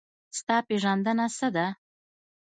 ستا پېژندنه څه ده؟